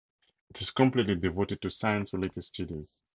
It is completely devoted to science-related studies.